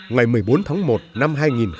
ngày một mươi bốn tháng một năm hai nghìn một mươi năm